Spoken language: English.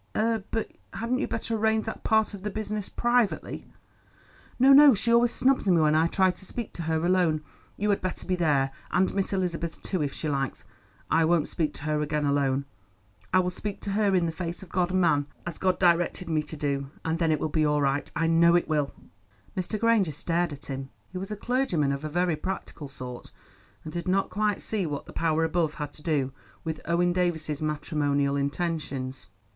"Eh, but hadn't you better arrange that part of the business privately?" "No, no. She always snubs me when I try to speak to her alone. You had better be there, and Miss Elizabeth too, if she likes. I won't speak to her again alone. I will speak to her in the face of God and man, as God directed me to do, and then it will be all right—I know it will." Mr. Granger stared at him. He was a clergyman of a very practical sort, and did not quite see what the Power above had to do with Owen Davies's matrimonial intentions.